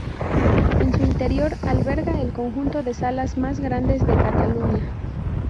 En su interior alberga el conjunto de salas más grandes de Cataluña.